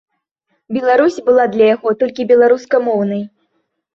Беларусь была для яго толькі беларускамоўнай.